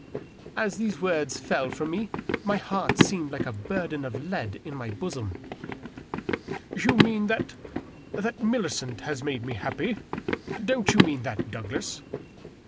As these words fell firom me my heart seemed like a burden of lead in my bosom. " You mean that — ^that Millicent has made me happy? Don't you mean that, Douglas